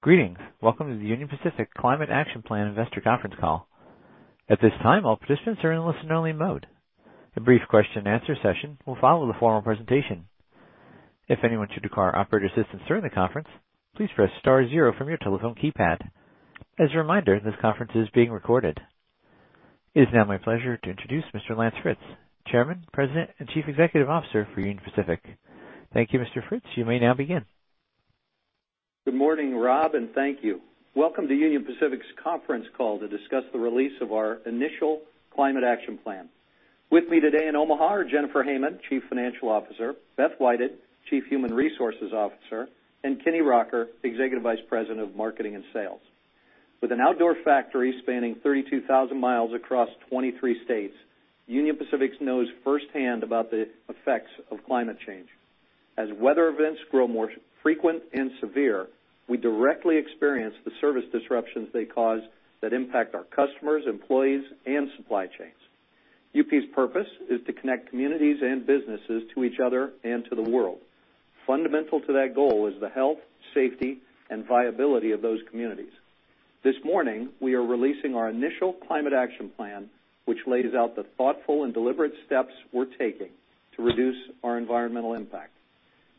Greetings. Welcome to the Union Pacific Climate Action Plan Investor Conference Call. At this time, all participants are in listen-only mode. A brief question-and-answer session will follow the formal presentation. If anyone should require operator assistance during the conference, please press Star Zero from your telephone keypad. As a reminder, this conference is being recorded. It is now my pleasure to introduce Mr. Lance Fritz, Chairman, President, and Chief Executive Officer for Union Pacific. Thank you, Mr. Fritz. You may now begin. Good morning, Rob, and thank you. Welcome to Union Pacific's conference call to discuss the release of our initial Climate Action Plan. With me today in Omaha are Jennifer Hamann, Chief Financial Officer, Beth Whited, Chief Human Resources Officer, and Kenny Rocker, Executive Vice President of Marketing and Sales. With an outdoor factory spanning 32,000 mi across 23 states, Union Pacific knows firsthand about the effects of climate change. As weather events grow more frequent and severe, we directly experience the service disruptions they cause that impact our customers, employees, and supply chains. UP's purpose is to connect communities and businesses to each other and to the world. Fundamental to that goal is the health, safety, and viability of those communities. This morning, we are releasing our initial Climate Action Plan, which lays out the thoughtful and deliberate steps we're taking to reduce our environmental impact.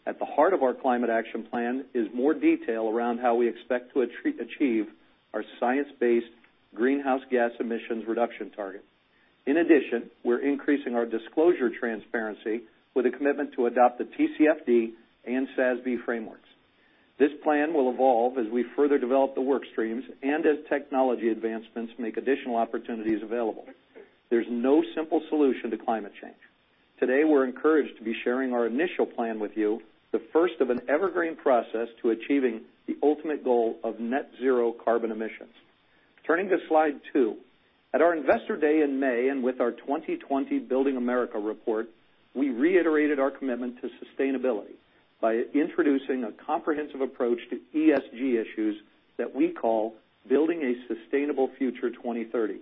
At the heart of our Climate Action Plan is more detail around how we expect to achieve our science-based greenhouse gas emissions reduction target. In addition, we're increasing our disclosure transparency with a commitment to adopt the TCFD and SASB frameworks. This plan will evolve as we further develop the work streams and as technology advancements make additional opportunities available. There's no simple solution to climate change. Today, we're encouraged to be sharing our initial plan with you, the first of an evergreen process to achieving the ultimate goal of net zero carbon emissions. Turning to slide two. At our Investor Day in May and with our 2020 Building America report, we reiterated our commitment to sustainability by introducing a comprehensive approach to ESG issues that we call Building a Sustainable Future 2030.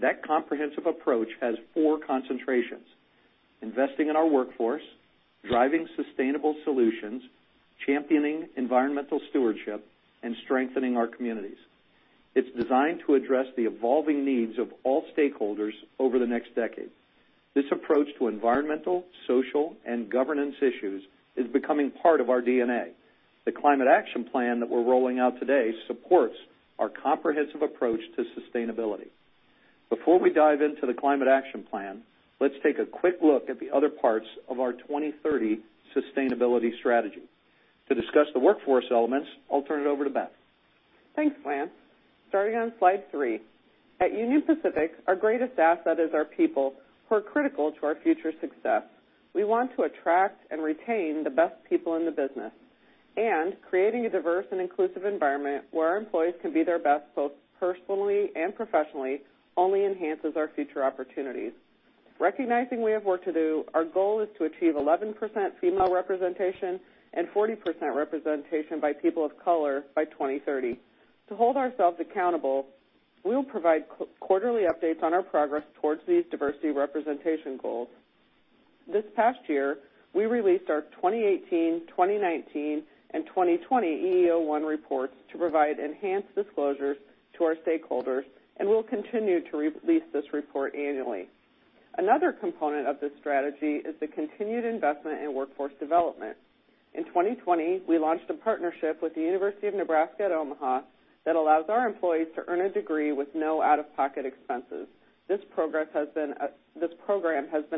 That comprehensive approach has four concentrations: investing in our workforce, driving sustainable solutions, championing environmental stewardship, and strengthening our communities. It's designed to address the evolving needs of all stakeholders over the next decade. This approach to environmental, social, and governance issues is becoming part of our DNA. The Climate Action Plan that we're rolling out today supports our comprehensive approach to sustainability. Before we dive into the Climate Action Plan, let's take a quick look at the other parts of our 2030 sustainability strategy. To discuss the workforce elements, I'll turn it over to Beth. Thanks, Lance. Starting on slide three. At Union Pacific, our greatest asset is our people, who are critical to our future success. We want to attract and retain the best people in the business. Creating a diverse and inclusive environment where our employees can be their best, both personally and professionally, only enhances our future opportunities. Recognizing we have work to do, our goal is to achieve 11% female representation and 40% representation by people of color by 2030. To hold ourselves accountable, we will provide quarterly updates on our progress towards these diversity representation goals. This past year, we released our 2018, 2019, and 2020 EEO-1 reports to provide enhanced disclosures to our stakeholders, and we'll continue to release this report annually. Another component of this strategy is the continued investment in workforce development. In 2020, we launched a partnership with the University of Nebraska at Omaha that allows our employees to earn a degree with no out-of-pocket expenses. This program has been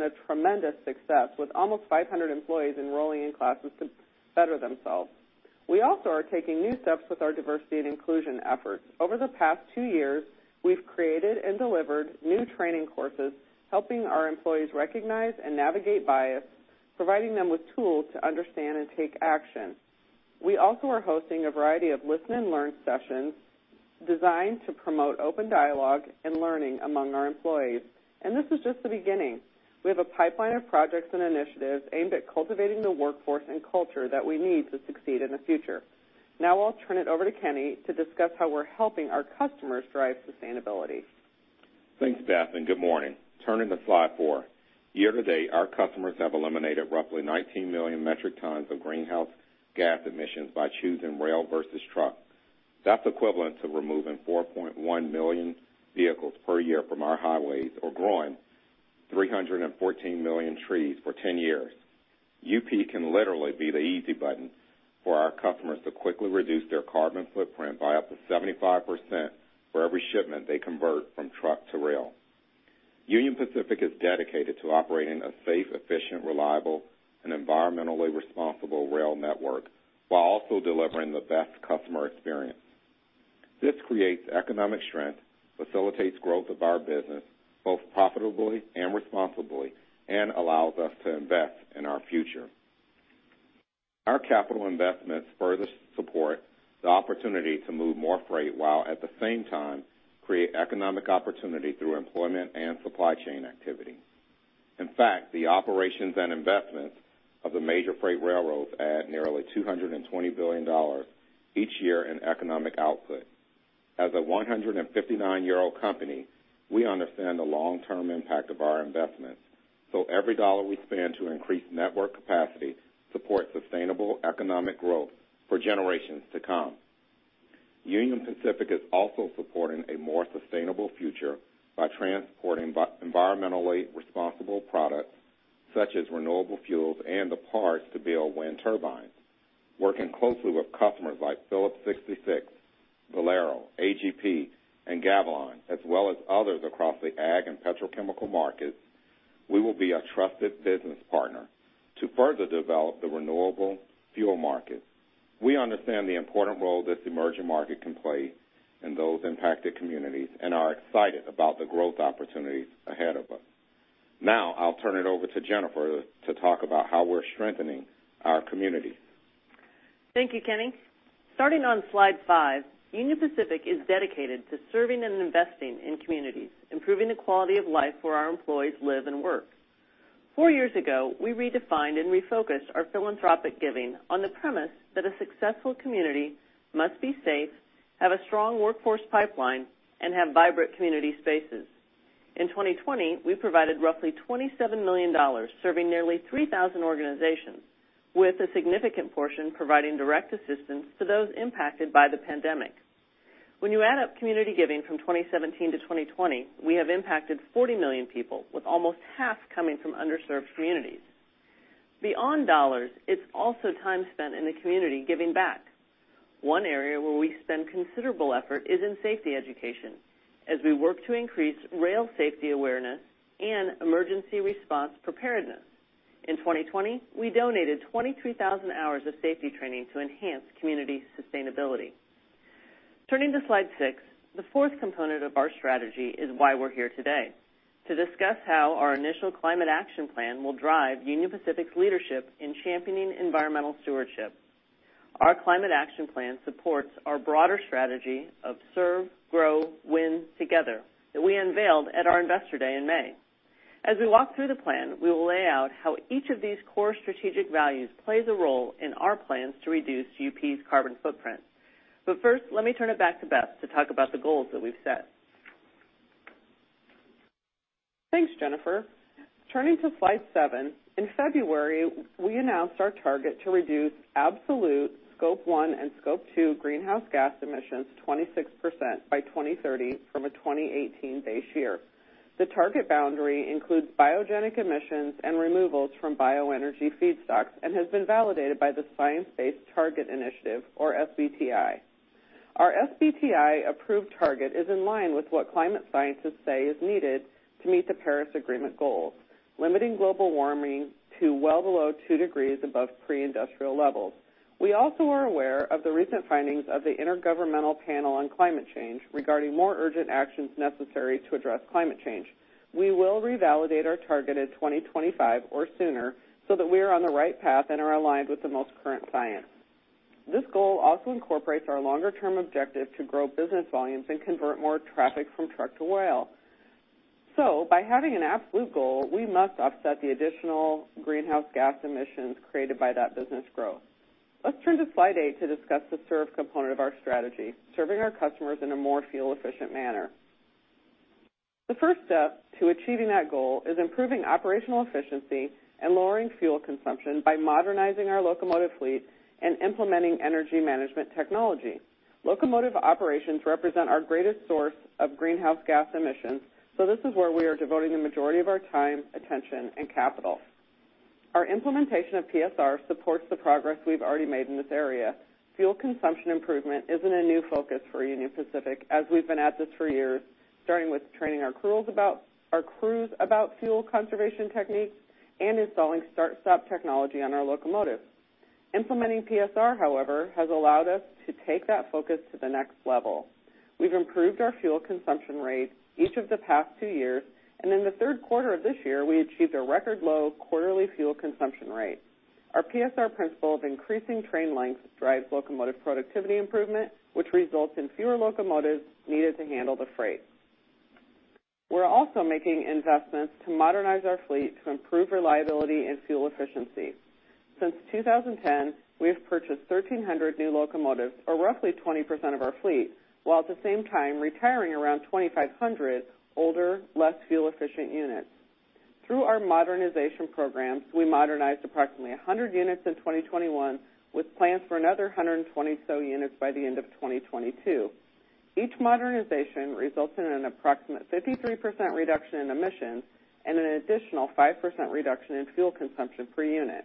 a tremendous success, with almost 500 employees enrolling in classes to better themselves. We also are taking new steps with our diversity and inclusion efforts. Over the past two years, we've created and delivered new training courses helping our employees recognize and navigate bias, providing them with tools to understand and take action. We also are hosting a variety of listen and learn sessions designed to promote open dialogue and learning among our employees. This is just the beginning. We have a pipeline of projects and initiatives aimed at cultivating the workforce and culture that we need to succeed in the future. Now I'll turn it over to Kenny to discuss how we're helping our customers drive sustainability. Thanks, Beth, and good morning. Turning to slide four. Year-to-date, our customers have eliminated roughly 19 million metric tons of greenhouse gas emissions by choosing rail versus truck. That's equivalent to removing 4.1 million vehicles per year from our highways or growing 314 million trees for 10 years. UP can literally be the easy button for our customers to quickly reduce their carbon footprint by up to 75% for every shipment they convert from truck to rail. Union Pacific is dedicated to operating a safe, efficient, reliable, and environmentally responsible rail network while also delivering the best customer experience. This creates economic strength, facilitates growth of our business, both profitably and responsibly, and allows us to invest in our future. Our capital investments further support the opportunity to move more freight, while at the same time create economic opportunity through employment and supply chain activity. In fact, the operations and investments of the major freight railroads add nearly $220 billion each year in economic output. As a 159-year-old company, we understand the long-term impact of our investments, so every dollar we spend to increase network capacity supports sustainable economic growth for generations to come. Union Pacific is also supporting a more sustainable future by transporting environmentally responsible products such as renewable fuels and the parts to build wind turbines. Working closely with customers like Phillips 66, Valero, AGP, and Gavilon, as well as others across the ag and petrochemical markets, we will be a trusted business partner to further develop the renewable fuel market. We understand the important role this emerging market can play in those impacted communities and are excited about the growth opportunities ahead of us. Now, I'll turn it over to Jennifer to talk about how we're strengthening our communities. Thank you, Kenny. Starting on slide five, Union Pacific is dedicated to serving and investing in communities, improving the quality of life where our employees live and work. four years ago, we redefined and refocused our philanthropic giving on the premise that a successful community must be safe, have a strong workforce pipeline, and have vibrant community spaces. In 2020, we provided roughly $27 million, serving nearly 3,000 organizations, with a significant portion providing direct assistance to those impacted by the pandemic. When you add up community giving from 2017-2020, we have impacted 40 million people, with almost half coming from underserved communities. Beyond dollars, it's also time spent in the community giving back. One area where we spend considerable effort is in safety education as we work to increase rail safety awareness and emergency response preparedness. In 2020, we donated 23,000 hours of safety training to enhance community sustainability. Turning to slide six, the fourth component of our strategy is why we're here today, to discuss how our initial Climate Action Plan will drive Union Pacific's leadership in championing environmental stewardship. Our Climate Action Plan supports our broader strategy of serve, grow, win together that we unveiled at our Investor Day in May. As we walk through the plan, we will lay out how each of these core strategic values plays a role in our plans to reduce UP's carbon footprint. First, let me turn it back to Beth to talk about the goals that we've set. Thanks, Jennifer. Turning to slide seven, in February, we announced our target to reduce absolute Scope 1 and Scope 2 greenhouse gas emissions 26% by 2030 from a 2018 base year. The target boundary includes biogenic emissions and removals from bioenergy feedstocks and has been validated by the Science Based Targets initiative, or SBTi. Our SBTi-approved target is in line with what climate scientists say is needed to meet the Paris Agreement goals, limiting global warming to well below 2 degrees above pre-industrial levels. We also are aware of the recent findings of the Intergovernmental Panel on Climate Change regarding more urgent actions necessary to address climate change. We will revalidate our target at 2025 or sooner so that we are on the right path and are aligned with the most current science. This goal also incorporates our longer-term objective to grow business volumes and convert more traffic from truck to rail. By having an absolute goal, we must offset the additional greenhouse gas emissions created by that business growth. Let's turn to slide eight to discuss the serve component of our strategy, serving our customers in a more fuel-efficient manner. The first step to achieving that goal is improving operational efficiency and lowering fuel consumption by modernizing our locomotive fleet and implementing energy management technology. Locomotive operations represent our greatest source of greenhouse gas emissions, so this is where we are devoting the majority of our time, attention, and capital. Our implementation of PSR supports the progress we've already made in this area. Fuel consumption improvement isn't a new focus for Union Pacific, as we've been at this for years, starting with training our crews about fuel conservation techniques and installing start-stop technology on our locomotives. Implementing PSR, however, has allowed us to take that focus to the next level. We've improved our fuel consumption rate each of the past two years, and in the third quarter of this year, we achieved a record low quarterly fuel consumption rate. Our PSR principle of increasing train length drives locomotive productivity improvement, which results in fewer locomotives needed to handle the freight. We're also making investments to modernize our fleet to improve reliability and fuel efficiency. Since 2010, we have purchased 1,300 new locomotives, or roughly 20% of our fleet, while at the same time retiring around 2,500 older, less fuel-efficient units. Through our modernization programs, we modernized approximately 100 units in 2021, with plans for another 120 or so units by the end of 2022. Each modernization results in an approximate 53% reduction in emissions and an additional 5% reduction in fuel consumption per unit.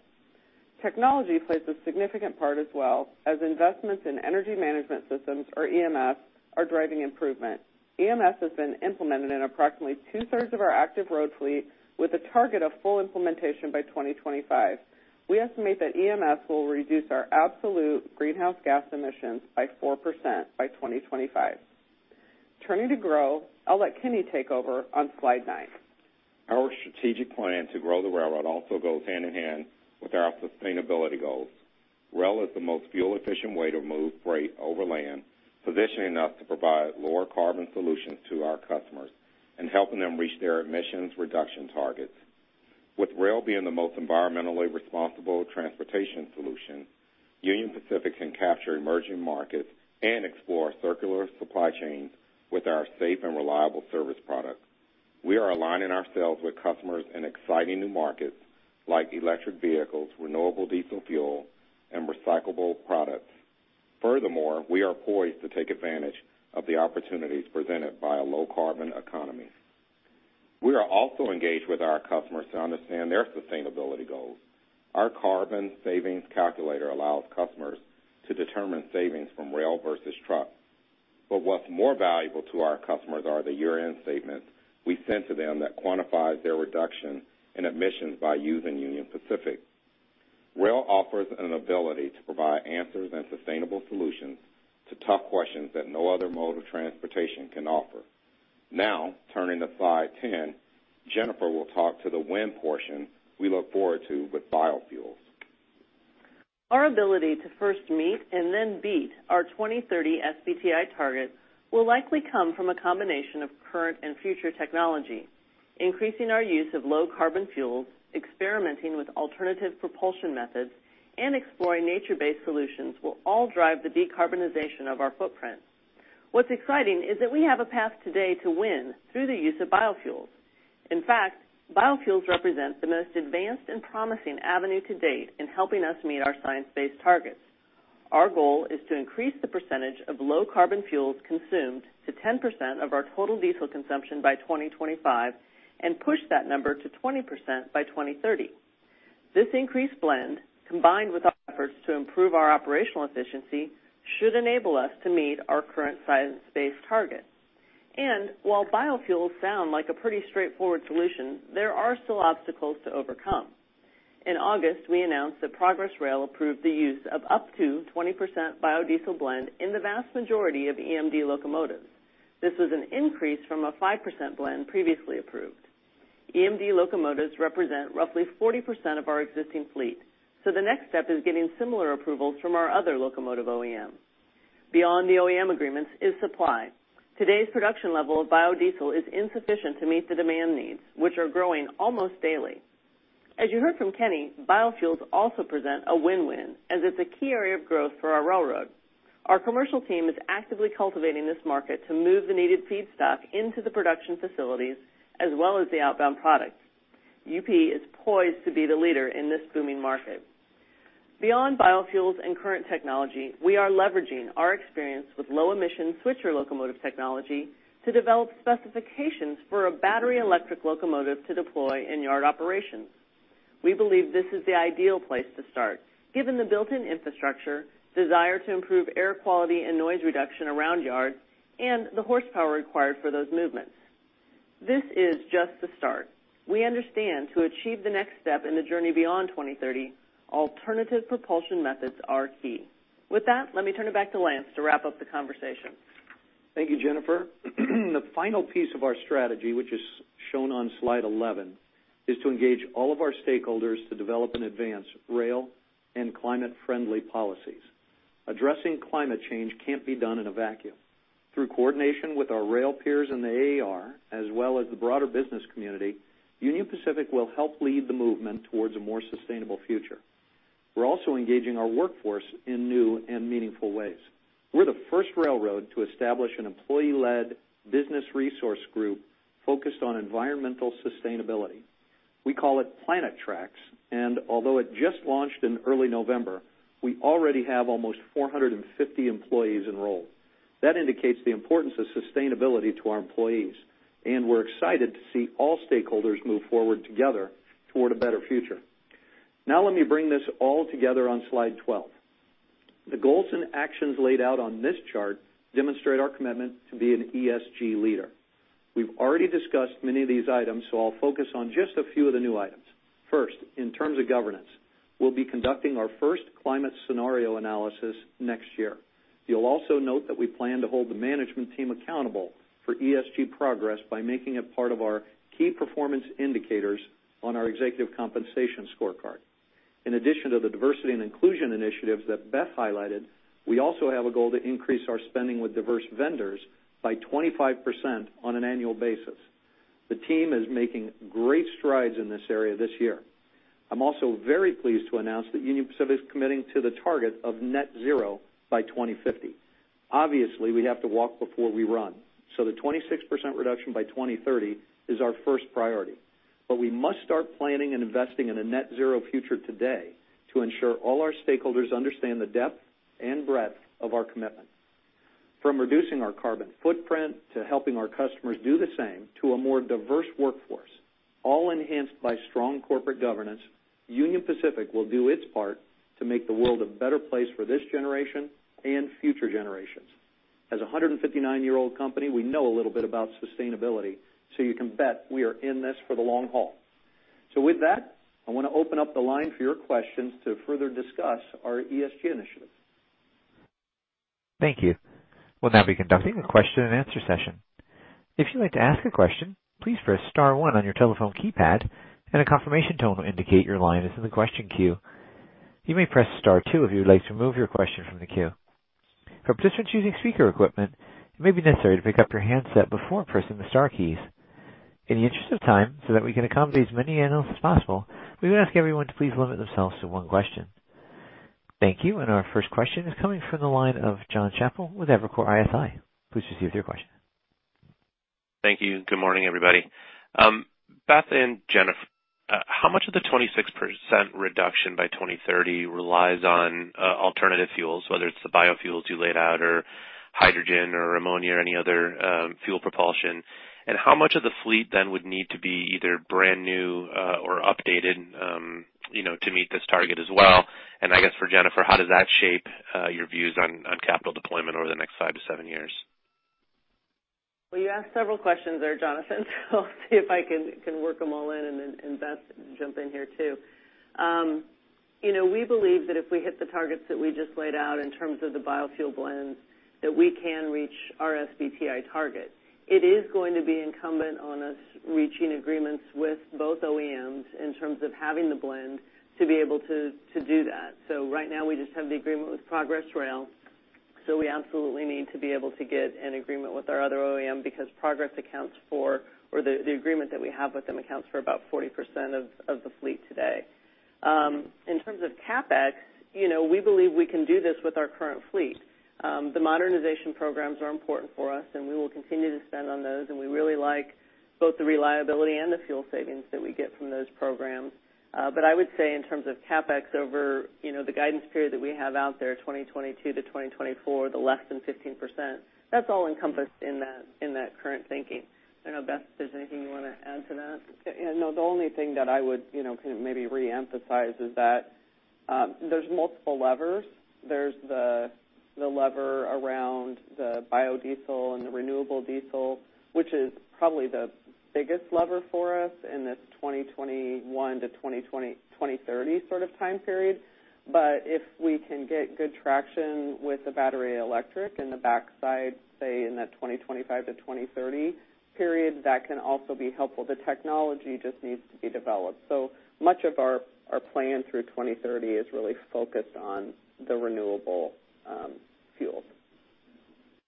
Technology plays a significant part as well as investments in energy management systems, or EMS, are driving improvement. EMS has been implemented in approximately 2/3 of our active road fleet with a target of full implementation by 2025. We estimate that EMS will reduce our absolute greenhouse gas emissions by 4% by 2025. Turning to growth, I'll let Kenny take over on slide nine. Our strategic plan to grow the railroad also goes hand in hand with our sustainability goals. Rail is the most fuel-efficient way to move freight over land, positioning us to provide lower carbon solutions to our customers and helping them reach their emissions reduction targets. With rail being the most environmentally responsible transportation solution, Union Pacific can capture emerging markets and explore circular supply chains with our safe and reliable service products. We are aligning ourselves with customers in exciting new markets like electric vehicles, renewable diesel fuel, and recyclable products. Furthermore, we are poised to take advantage of the opportunities presented by a low carbon economy. We are also engaged with our customers to understand their sustainability goals. Our carbon savings calculator allows customers to determine savings from rail versus truck. But what's more valuable to our customers are the year-end statements we send to them that quantifies their reduction in emissions by using Union Pacific. Rail offers an ability to provide answers and sustainable solutions to tough questions that no other mode of transportation can offer. Now, turning to slide 10, Jennifer will talk to the win portion we look forward to with biofuels. Our ability to first meet and then beat our 2030 SBTi target will likely come from a combination of current and future technology. Increasing our use of low carbon fuels, experimenting with alternative propulsion methods, and exploring nature-based solutions will all drive the decarbonization of our footprint. What's exciting is that we have a path today to win through the use of biofuels. In fact, biofuels represent the most advanced and promising avenue to date in helping us meet our science-based targets. Our goal is to increase the percentage of low carbon fuels consumed to 10% of our total diesel consumption by 2025 and push that number to 20% by 2030. This increased blend, combined with efforts to improve our operational efficiency, should enable us to meet our current science-based targets. While biofuels sound like a pretty straightforward solution, there are still obstacles to overcome. In August, we announced that Progress Rail approved the use of up to 20% biodiesel blend in the vast majority of EMD locomotives. This was an increase from a 5% blend previously approved. EMD locomotives represent roughly 40% of our existing fleet, so the next step is getting similar approvals from our other locomotive OEM. Beyond the OEM agreements is supply. Today's production level of biodiesel is insufficient to meet the demand needs, which are growing almost daily. As you heard from Kenny, biofuels also present a win-win, as it's a key area of growth for our railroad. Our commercial team is actively cultivating this market to move the needed feedstock into the production facilities as well as the outbound products. UP is poised to be the leader in this booming market. Beyond biofuels and current technology, we are leveraging our experience with low-emission switcher locomotive technology to develop specifications for a battery electric locomotive to deploy in yard operations. We believe this is the ideal place to start, given the built-in infrastructure, desire to improve air quality and noise reduction around yard, and the horsepower required for those movements. This is just the start. We understand to achieve the next step in the journey beyond 2030, alternative propulsion methods are key. With that, let me turn it back to Lance to wrap up the conversation. Thank you, Jennifer. The final piece of our strategy, which is shown on slide 11, is to engage all of our stakeholders to develop and advance rail and climate-friendly policies. Addressing climate change can't be done in a vacuum. Through coordination with our rail peers in the AAR, as well as the broader business community, Union Pacific will help lead the movement towards a more sustainable future. We're also engaging our workforce in new and meaningful ways. We're the first railroad to establish an employee-led business resource group focused on environmental sustainability. We call it Planet Tracks, and although it just launched in early November, we already have almost 450 employees enrolled. That indicates the importance of sustainability to our employees, and we're excited to see all stakeholders move forward together toward a better future. Now let me bring this all together on slide 12. The goals and actions laid out on this chart demonstrate our commitment to be an ESG leader. We've already discussed many of these items, so I'll focus on just a few of the new items. First, in terms of governance, we'll be conducting our first climate scenario analysis next year. You'll also note that we plan to hold the management team accountable for ESG progress by making it part of our key performance indicators on our executive compensation scorecard. In addition to the diversity and inclusion initiatives that Beth highlighted, we also have a goal to increase our spending with diverse vendors by 25% on an annual basis. The team is making great strides in this area this year. I'm also very pleased to announce that Union Pacific is committing to the target of net zero by 2050. Obviously, we have to walk before we run, so the 26% reduction by 2030 is our first priority. But we must start planning and investing in a net zero future today to ensure all our stakeholders understand the depth and breadth of our commitment. From reducing our carbon footprint to helping our customers do the same, to a more diverse workforce, all enhanced by strong corporate governance, Union Pacific will do its part to make the world a better place for this generation and future generations. As a 159-year-old company, we know a little bit about sustainability, so you can bet we are in this for the long haul. With that, I wanna open up the line for your questions to further discuss our ESG initiatives. Thank you. We'll now be conducting a question and answer session. If you'd like to ask a question, please press Star One on your telephone keypad, and a confirmation tone will indicate your line is in the question queue. You may press Star Two if you'd like to remove your question from the queue. For participants using speaker equipment, it may be necessary to pick up your handset before pressing the star keys. In the interest of time, so that we can accommodate as many analysts as possible, we would ask everyone to please limit themselves to one question. Thank you. Our first question is coming from the line of Jon Chappell with Evercore ISI. Please proceed with your question. Thank you. Good morning, everybody. Beth and Jennifer, how much of the 26% reduction by 2030 relies on alternative fuels, whether it's the biofuels you laid out or hydrogen or ammonia or any other fuel propulsion? How much of the fleet then would need to be either brand new or updated, you know, to meet this target as well? I guess for Jennifer, how does that shape your views on capital deployment over the next five to seven years? You asked several questions there, Jonathan, so I'll see if I can work them all in and then Beth can jump in here too. You know, we believe that if we hit the targets that we just laid out in terms of the biofuel blends, that we can reach our SBTi target. It is going to be incumbent on us reaching agreements with both OEMs in terms of having the blend to be able to do that. Right now, we just have the agreement with Progress Rail, so we absolutely need to be able to get an agreement with our other OEM because Progress accounts for or the agreement that we have with them accounts for about 40% of the fleet today. In terms of CapEx, you know, we believe we can do this with our current fleet. The modernization programs are important for us, and we will continue to spend on those, and we really like both the reliability and the fuel savings that we get from those programs. I would say in terms of CapEx over, you know, the guidance period that we have out there, 2022-2024, the less than 15%, that's all encompassed in that current thinking. I don't know, Beth, if there's anything you wanna add to that. Yeah, no, the only thing that I would, you know, kind of maybe reemphasize is that, there's multiple levers. There's the lever around the biodiesel and the renewable diesel, which is probably the biggest lever for us in this 2021-2030 sort of time period. If we can get good traction with the battery electric in the backside, say in that 2025 to 2030 period, that can also be helpful. The technology just needs to be developed. Much of our plan through 2030 is really focused on the renewable fuels.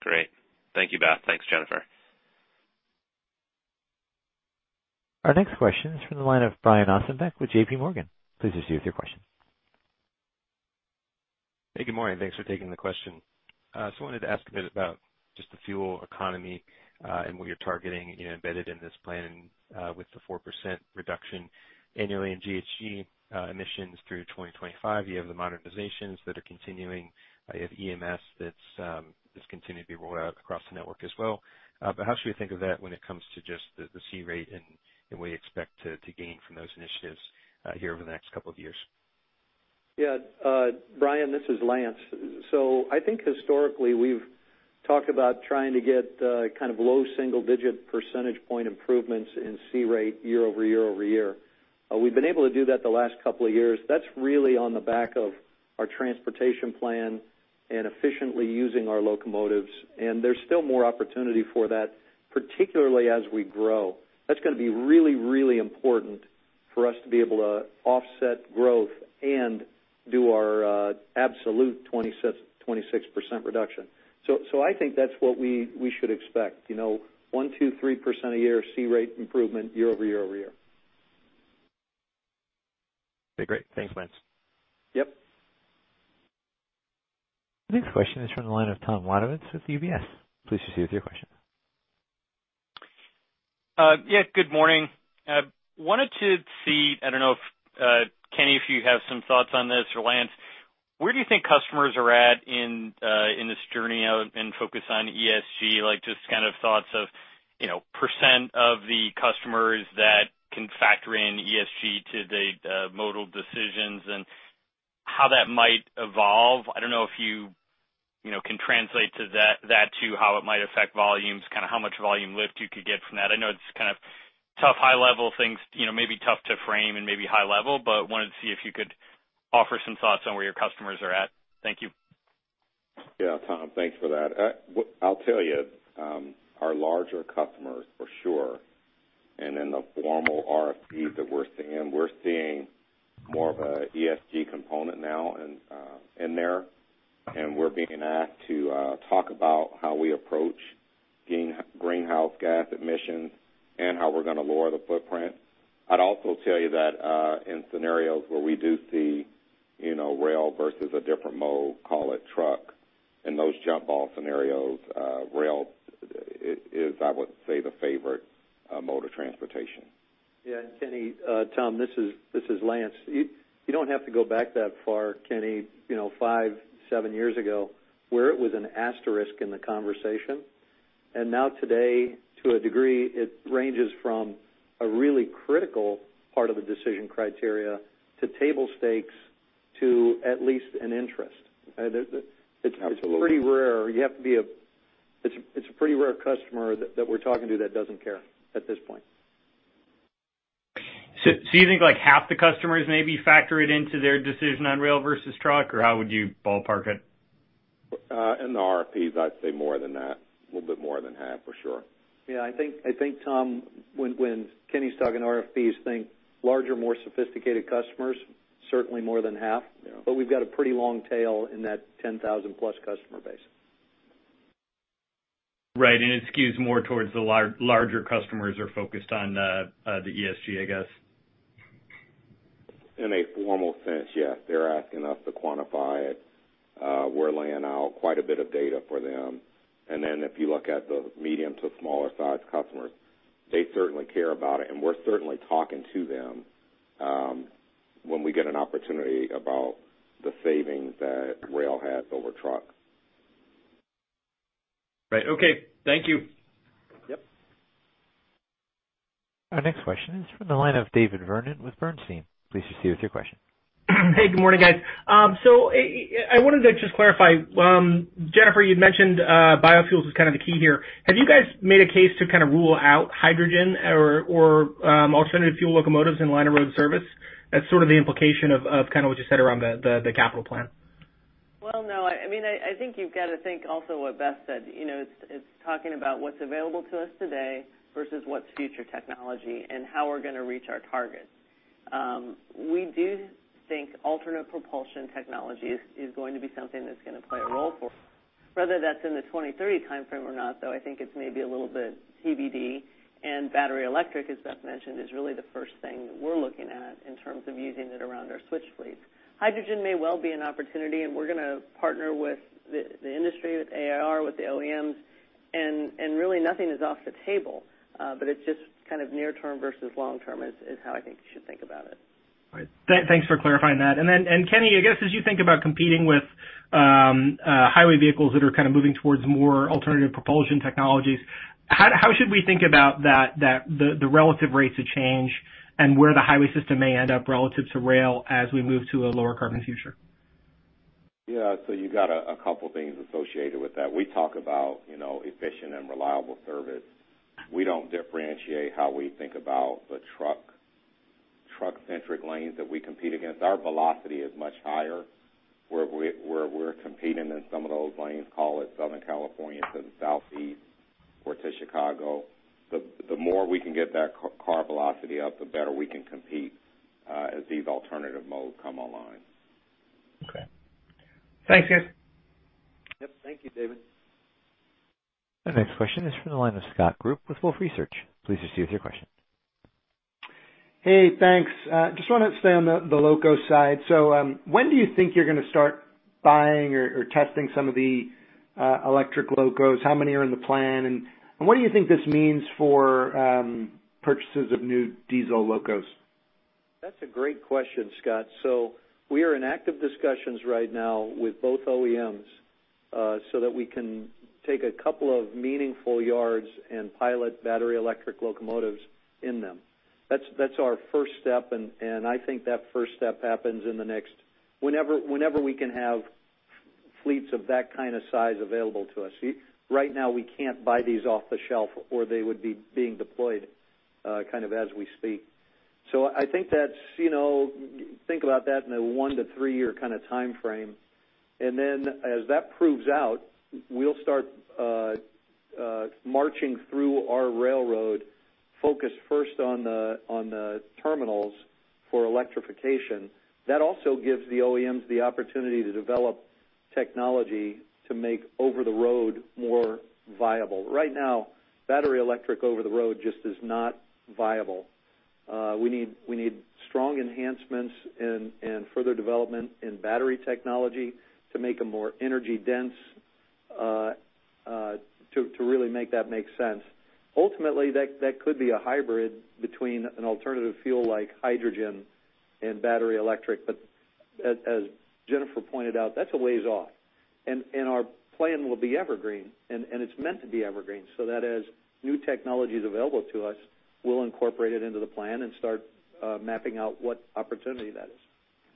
Great. Thank you, Beth. Thanks, Jennifer. Our next question is from the line of Brian Ossenbeck with J.P. Morgan. Please proceed with your question. Hey, good morning. Thanks for taking the question. So wanted to ask a bit about just the fuel economy and what you're targeting, you know, embedded in this plan with the 4% reduction annually in GHG emissions through 2025. You have the modernizations that are continuing. You have EMS that's continuing to be rolled out across the network as well. How should we think of that when it comes to just the core rate and what you expect to gain from those initiatives here over the next couple of years? Yeah, Brian, this is Lance. I think historically, we've talked about trying to get kind of low single-digit percentage point improvements in core rate year-over-year. We've been able to do that the last couple of years. That's really on the back of our transportation plan and efficiently using our locomotives, and there's still more opportunity for that, particularly as we grow. That's gonna be really, really important for us to be able to offset growth and do our absolute 26% reduction. I think that's what we should expect, you know, 1%, 2%, 3% a year core rate improvement year-over-year. Okay, great. Thanks, Lance. Yep. The next question is from the line of Tom Wadewitz with UBS. Please proceed with your question. Good morning. Wanted to see, I don't know if Kenny, if you have some thoughts on this or Lance, where do you think customers are at in this journey and focus on ESG? Like, just kind of thoughts of, you know, percent of the customers that can factor in ESG to the modal decisions and how that might evolve. I don't know if you know, can translate that to how it might affect volumes, kind of how much volume lift you could get from that. I know it's kind of tough, high-level things, you know, maybe tough to frame and maybe high level. Wanted to see if you could offer some thoughts on where your customers are at. Thank you. Yeah, Tom, thanks for that. I'll tell you, our larger customers for sure, and in the formal RFPs that we're seeing, we're seeing more of a ESG component now in there, and we're being asked to talk about how we approach greenhouse gas emissions and how we're gonna lower the footprint. I'd also tell you that, in scenarios where we do see, you know, rail versus a different mode, call it truck, in those jump-off scenarios, rail is, I would say, the favorite mode of transportation. Yeah. Kenny, Tom, this is Lance. You don't have to go back that far, Kenny, you know, five, seven years ago, where it was an asterisk in the conversation. Now today, to a degree, it ranges from a really critical part of the decision criteria to table stakes to at least an interest. Absolutely. It's pretty rare. It's a pretty rare customer that we're talking to that doesn't care at this point. You think like half the customers maybe factor it into their decision on rail versus truck, or how would you ballpark it? In the RFPs, I'd say more than that. A little bit more than half, for sure. Yeah, I think, Tom, when Kenny's talking RFPs, think larger, more sophisticated customers. Certainly more than half. Yeah. We've got a pretty long tail in that 10,000+ customer base. Right. It skews more towards the larger customers are focused on the ESG, I guess. In a formal sense, yes. They're asking us to quantify it. We're laying out quite a bit of data for them. If you look at the medium to smaller sized customers, they certainly care about it, and we're certainly talking to them when we get an opportunity about the savings that rail has over truck. Right. Okay. Thank you. Yep. Our next question is from the line of David Vernon with Bernstein. Please proceed with your question. Hey, good morning, guys. I wanted to just clarify. Jennifer, you'd mentioned biofuels was kind of the key here. Have you guys made a case to kind of rule out hydrogen or alternative fuel locomotives in line of road service? That's sort of the implication of kind of what you said around the capital plan. Well, no. I mean, I think you've got to think also what Beth said. You know, it's talking about what's available to us today versus what's future technology and how we're gonna reach our targets. We do think alternate propulsion technologies is going to be something that's gonna play a role for us, whether that's in the 2030 timeframe or not, though, I think it's maybe a little bit TBD. Battery electric, as Beth mentioned, is really the first thing that we're looking at in terms of using it around our switch fleet. Hydrogen may well be an opportunity, and we're gonna partner with the industry, with AAR, with the OEMs, and really nothing is off the table. It's just kind of near term versus long term is how I think you should think about it. All right. Thanks for clarifying that. Kenny, I guess, as you think about competing with highway vehicles that are kind of moving towards more alternative propulsion technologies, how should we think about that the relative rates of change and where the highway system may end up relative to rail as we move to a lower carbon future? Yeah. You got a couple things associated with that. We talk about, you know, efficient and reliable service. We don't differentiate how we think about the truck-centric lanes that we compete against. Our velocity is much higher, where we're competing in some of those lanes, call it Southern California to the Southeast or to Chicago. The more we can get that car velocity up, the better we can compete as these alternative modes come online. Okay. Thanks, guys. Yep. Thank you, David. Our next question is from the line of Scott Group with Wolfe Research. Please proceed with your question. Hey, thanks. Just wanna stay on the loco side. When do you think you're gonna start buying or testing some of the electric locos? How many are in the plan? What do you think this means for purchases of new diesel locos? That's a great question, Scott. We are in active discussions right now with both OEMs, so that we can take a couple of meaningful yards and pilot battery electric locomotives in them. That's our first step and I think that first step happens whenever we can have fleets of that kind of size available to us. Right now, we can't buy these off the shelf or they would be being deployed kind of as we speak. I think that's, you know, think about that in a one to three year kind of timeframe. Then as that proves out, we'll start marching through our railroad focus first on the terminals for electrification. That also gives the OEMs the opportunity to develop technology to make over the road more viable. Right now, battery electric over the road just is not viable. We need strong enhancements and further development in battery technology to make them more energy dense, to really make that make sense. Ultimately, that could be a hybrid between an alternative fuel like hydrogen and battery electric. As Jennifer pointed out, that's a ways off. Our plan will be evergreen, and it's meant to be evergreen, so that as new technology is available to us, we'll incorporate it into the plan and start mapping out what opportunity that is.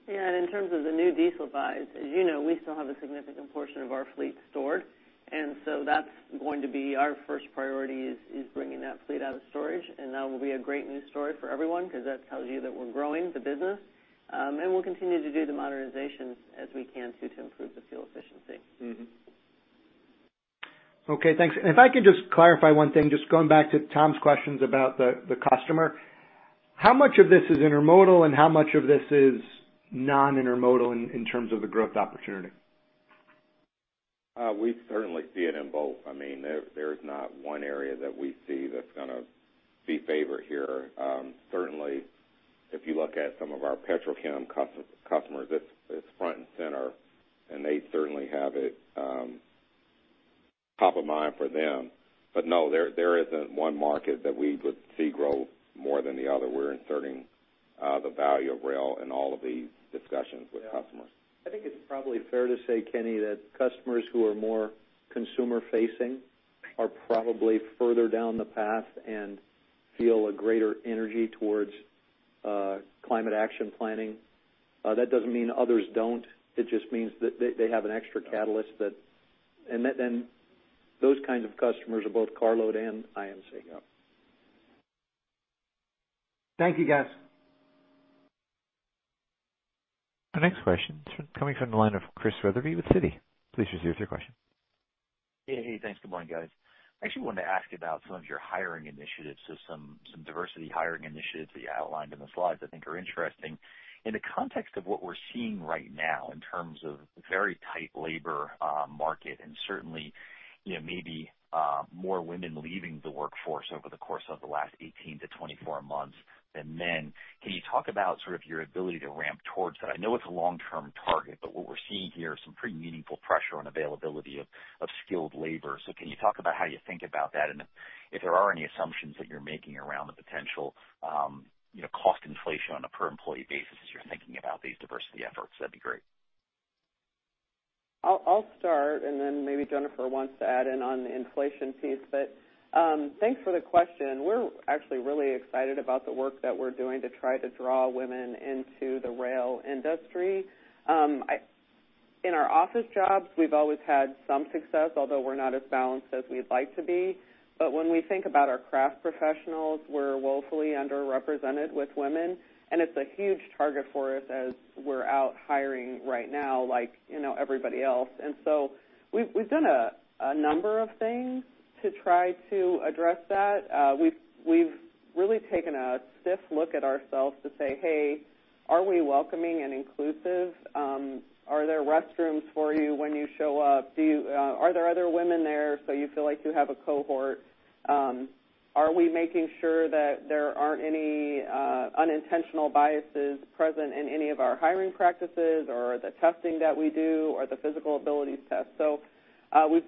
Yeah, in terms of the new diesel buys, as you know, we still have a significant portion of our fleet stored, and so that's going to be our first priority is bringing that fleet out of storage. That will be a great new story for everyone because that tells you that we're growing the business. We'll continue to do the modernizations as we can to improve the fuel efficiency. Mm-hmm. Okay, thanks. If I could just clarify one thing, just going back to Tom's questions about the customer. How much of this is intermodal and how much of this is non-intermodal in terms of the growth opportunity? We certainly see it in both. I mean, there's not one area that we see that's gonna be favored here. Certainly, if you look at some of our Petrochem customers, it's front and center, and they certainly have it top of mind for them. No, there isn't one market that we would see grow more than the other. We're inserting the value of rail in all of these discussions with customers. Yeah. I think it's probably fair to say, Kenny, that customers who are more consumer-facing are probably further down the path and feel a greater energy towards climate action planning. That doesn't mean others don't. It just means that they have an extra catalyst that those kinds of customers are both carload and IMC. Yep. Thank you, guys. Our next question is coming from the line of Chris Wetherbee with Citi. Please proceed with your question. Hey, hey, thanks. Good morning, guys. I actually wanted to ask about some of your hiring initiatives, so some diversity hiring initiatives that you outlined in the slides I think are interesting. In the context of what we're seeing right now in terms of very tight labor market and certainly, you know, maybe more women leaving the workforce over the course of the last 18-24 months than men. Can you talk about sort of your ability to ramp towards that? I know it's a long-term target, but what we're seeing here is some pretty meaningful pressure on availability of skilled labor. So can you talk about how you think about that and if there are any assumptions that you're making around the potential, you know, cost inflation on a per employee basis as you're thinking about these diversity efforts, that'd be great. I'll start and then maybe Jennifer Hamann wants to add in on the inflation piece. Thanks for the question. We're actually really excited about the work that we're doing to try to draw women into the rail industry. In our office jobs, we've always had some success, although we're not as balanced as we'd like to be. When we think about our craft professionals, we're woefully underrepresented with women, and it's a huge target for us as we're out hiring right now like, you know, everybody else. We've done a number of things to try to address that. We've really taken a stiff look at ourselves to say, "Hey, are we welcoming and inclusive? Are there restrooms for you when you show up? Are there other women there, so you feel like you have a cohort? Are we making sure that there aren't any unintentional biases present in any of our hiring practices or the testing that we do or the physical abilities test?"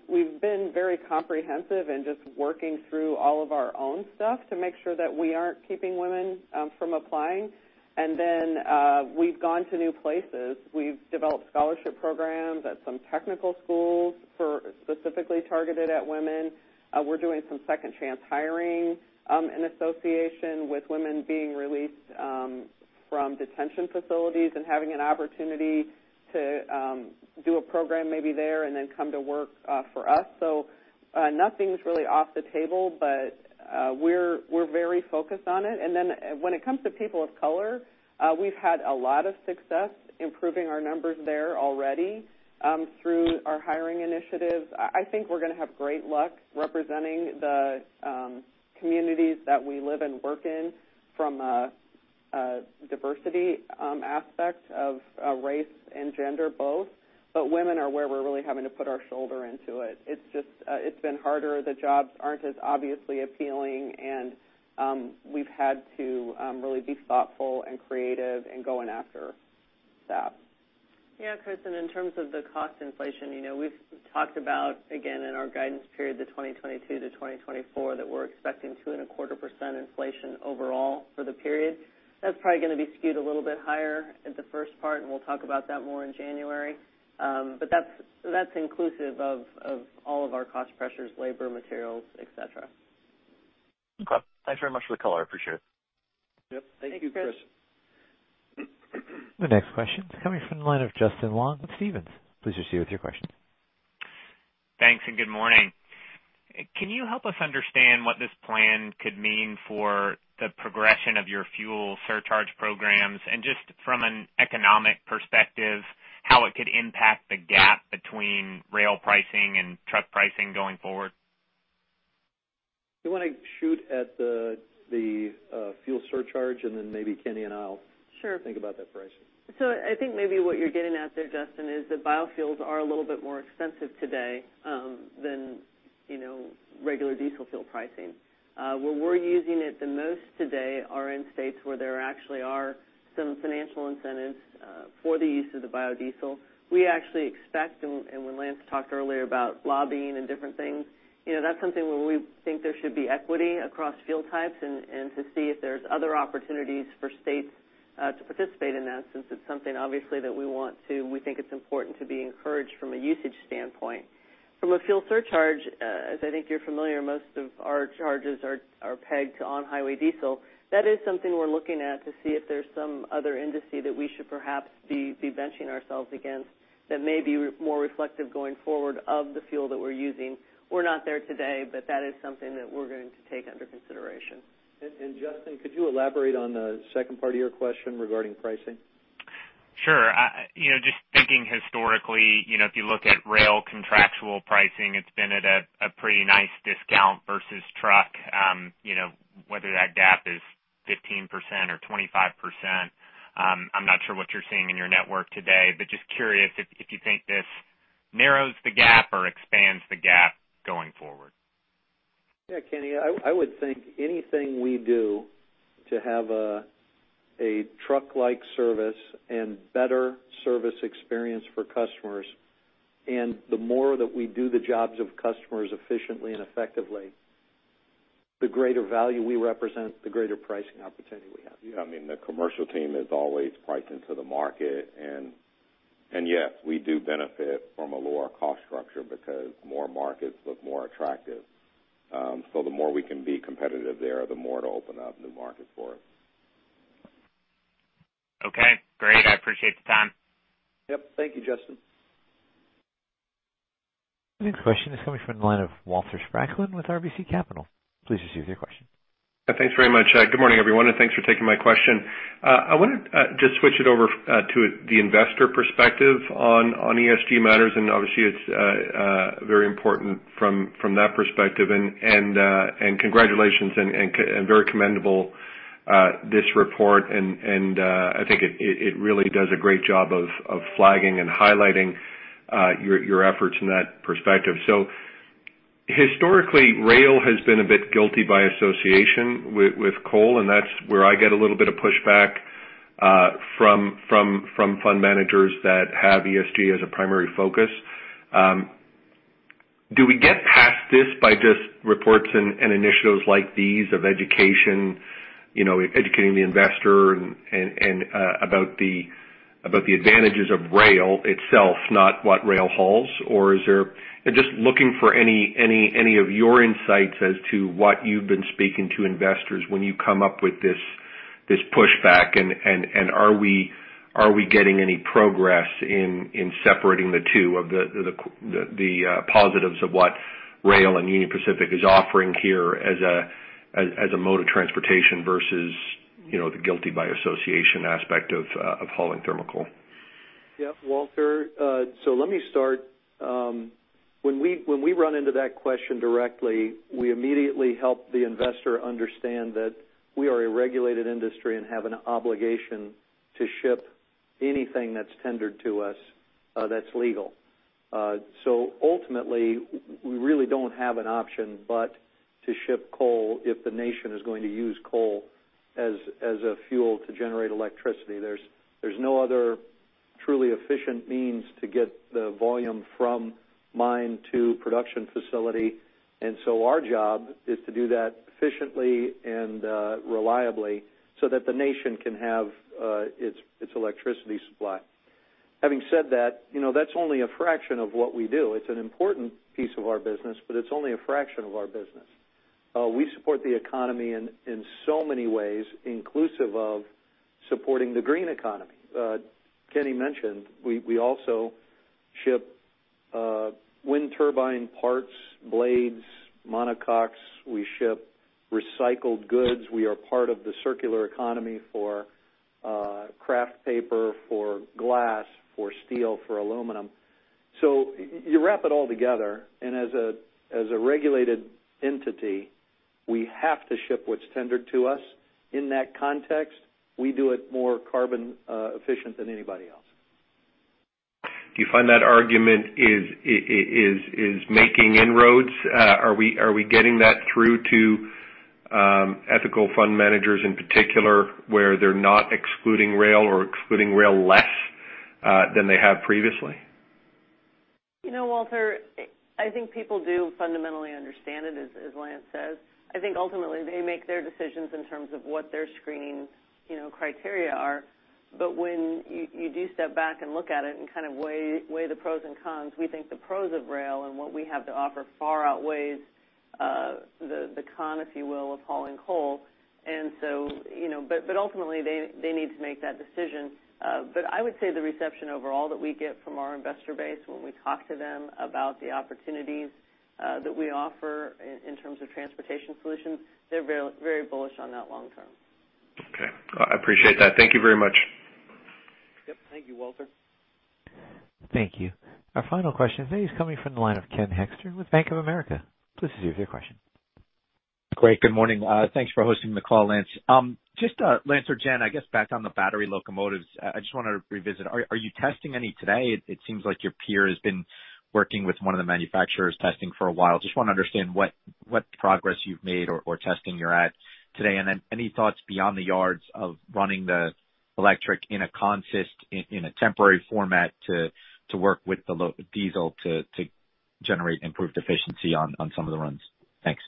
We've been very comprehensive in just working through all of our own stuff to make sure that we aren't keeping women from applying. We've gone to new places. We've developed scholarship programs at some technical schools for specifically targeted at women. We're doing some second chance hiring in association with women being released from detention facilities and having an opportunity to do a program maybe there and then come to work for us. Nothing's really off the table, but we're very focused on it. When it comes to people of color, we've had a lot of success improving our numbers there already, through our hiring initiatives. I think we're gonna have great luck representing the communities that we live and work in from a diversity aspect of race and gender both, but women are where we're really having to put our shoulder into it. It's just been harder. The jobs aren't as obviously appealing, and we've had to really be thoughtful and creative and going after staff. Yeah, Chris, in terms of the cost inflation, you know, we've talked about, again, in our guidance period, the 2022-2024, that we're expecting 2.25% inflation overall for the period. That's probably gonna be skewed a little bit higher at the first part, and we'll talk about that more in January. But that's inclusive of all of our cost pressures, labor, materials, et cetera. Okay. Thanks very much for the color. I appreciate it. Yep. Thank you, Chris. Thank you. The next question is coming from the line of Justin Long with Stephens. Please proceed with your question. Thanks, and good morning. Can you help us understand what this plan could mean for the progression of your fuel surcharge programs? Just from an economic perspective, how it could impact the gap between rail pricing and truck pricing going forward? You wanna shoot at the fuel surcharge, and then maybe Kenny and I'll- Sure Think about that pricing. I think maybe what you're getting at there, Justin, is that biofuels are a little bit more expensive today than, you know, regular diesel fuel pricing. Where we're using it the most today are in states where there actually are some financial incentives for the use of the biodiesel. We actually expect and when Lance talked earlier about lobbying and different things, you know, that's something where we think there should be equity across fuel types and to see if there's other opportunities for states to participate in that, since it's something obviously that we think it's important to be encouraged from a usage standpoint. From a fuel surcharge, as I think you're familiar, most of our charges are pegged to on-highway diesel. That is something we're looking at to see if there's some other industry that we should perhaps be benching ourselves against that may be more reflective going forward of the fuel that we're using. We're not there today, but that is something that we're going to take under consideration. Justin, could you elaborate on the second part of your question regarding pricing? Sure. You know, just thinking historically, you know, if you look at rail contractual pricing, it's been at a pretty nice discount versus truck. You know, whether that gap is 15% or 25%, I'm not sure what you're seeing in your network today, but just curious if you think this narrows the gap or expands the gap going forward. Yeah, Kenny, I would think anything we do to have a truck-like service and better service experience for customers, and the more that we do the jobs of customers efficiently and effectively, the greater value we represent, the greater pricing opportunity we have. Yeah, I mean, the commercial team is always pricing to the market. Yes, we do benefit from a lower cost structure because more markets look more attractive. The more we can be competitive there, the more it'll open up new markets for us. Okay, great. I appreciate the time. Yep. Thank you, Justin. The next question is coming from the line of Walter Spracklin with RBC Capital. Please proceed with your question. Thanks very much. Good morning, everyone, and thanks for taking my question. I wanna just switch it over to the investor perspective on ESG matters, and obviously, it's very important from that perspective and congratulations and very commendable, this report and I think it really does a great job of flagging and highlighting your efforts in that perspective. Historically, rail has been a bit guilty by association with coal, and that's where I get a little bit of pushback from fund managers that have ESG as a primary focus. Do we get past this by just reports and initiatives like these of education, you know, educating the investor and about the advantages of rail itself, not what rail hauls? Or is there? Just looking for any of your insights as to what you've been speaking to investors when you come up with this pushback and are we getting any progress in separating the two of the positives of what rail and Union Pacific is offering here as a mode of transportation versus, you know, the guilty by association aspect of hauling thermal coal? Yeah, Walter. When we run into that question directly, we immediately help the investor understand that we are a regulated industry and have an obligation to ship anything that's tendered to us, that's legal. Ultimately, we really don't have an option but to ship coal if the nation is going to use coal as a fuel to generate electricity. There's no other truly efficient means to get the volume from mine to production facility. Our job is to do that efficiently and reliably so that the nation can have its electricity supply. Having said that, you know, that's only a fraction of what we do. It's an important piece of our business, but it's only a fraction of our business. We support the economy in so many ways, inclusive of supporting the green economy. Kenny mentioned we also ship wind turbine parts, blades, nacelles. We ship recycled goods. We are part of the circular economy for kraft paper, for glass, for steel, for aluminum. You wrap it all together, and as a regulated entity, we have to ship what's tendered to us. In that context, we do it more carbon efficient than anybody else. Do you find that argument is making inroads? Are we getting that through to ethical fund managers in particular, where they're not excluding rail or excluding rail less than they have previously? You know, Walter, I think people do fundamentally understand it, as Lance says. I think ultimately they make their decisions in terms of what their screening, you know, criteria are. But when you do step back and look at it and kind of weigh the pros and cons, we think the pros of rail and what we have to offer far outweighs the con, if you will, of hauling coal. You know, but ultimately they need to make that decision. I would say the reception overall that we get from our investor base when we talk to them about the opportunities that we offer in terms of transportation solutions, they're very, very bullish on that long term. Okay. I appreciate that. Thank you very much. Yep. Thank you, Walter. Thank you. Our final question today is coming from the line of Ken Hoexter with Bank of America. Please proceed with your question. Great, good morning. Thanks for hosting the call, Lance. Just Lance or Jen, I guess back on the battery locomotives, I just wanna revisit. Are you testing any today? It seems like your peer has been working with one of the manufacturers testing for a while. Just wanna understand what progress you've made or testing you're at today. Any thoughts beyond the yards of running the electric in a consist in a temporary format to work with the diesel to generate improved efficiency on some of the runs? Thanks.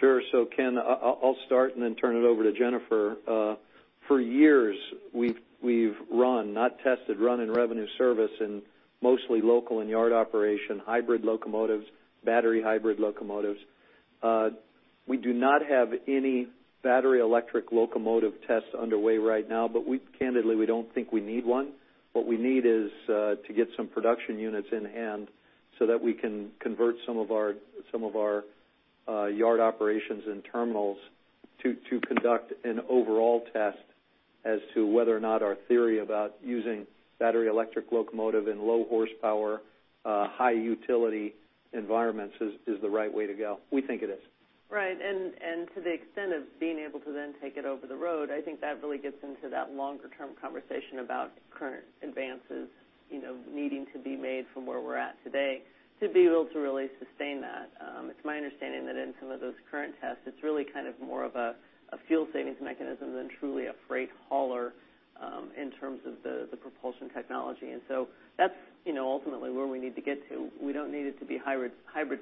Sure. Ken, I'll start and then turn it over to Jennifer. For years, we've run, not tested, run in revenue service in mostly local and yard operation, hybrid locomotives, battery hybrid locomotives. We do not have any battery electric locomotive tests underway right now, but candidly, we don't think we need one. What we need is to get some production units in hand so that we can convert some of our yard operations and terminals to conduct an overall test as to whether or not our theory about using battery electric locomotive in low horsepower high utility environments is the right way to go. We think it is. Right. To the extent of being able to then take it over the road, I think that really gets into that longer term conversation about current advances, you know, needing to be made from where we're at today to be able to really sustain that. It's my understanding that in some of those current tests, it's really kind of more of a fuel savings mechanism than truly a freight hauler, in terms of the propulsion technology. That's, you know, ultimately where we need to get to. We don't need it to be hybrid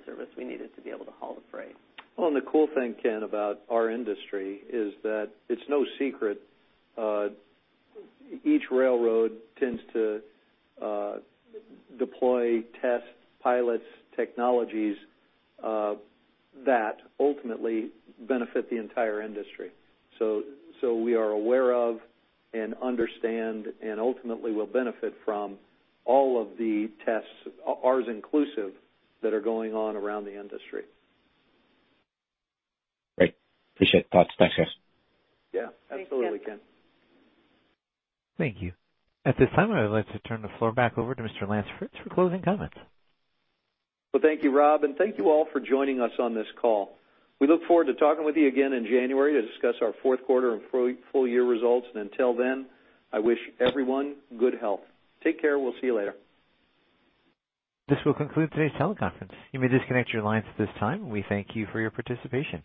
service. We need it to be able to haul the freight. Well, the cool thing, Ken, about our industry is that it's no secret. Each railroad tends to deploy test-pilot technologies that ultimately benefit the entire industry. We are aware of and understand and ultimately will benefit from all of the tests, ours inclusive, that are going on around the industry. Great. Appreciate the thoughts. Thanks, guys. Yeah. Thanks, Ken. Absolutely, Ken. Thank you. At this time, I would like to turn the floor back over to Mr. Lance Fritz for closing comments. Well, thank you, Rob, and thank you all for joining us on this call. We look forward to talking with you again in January to discuss our fourth quarter and full year results. Until then, I wish everyone good health. Take care. We'll see you later. This will conclude today's teleconference. You may disconnect your lines at this time. We thank you for your participation.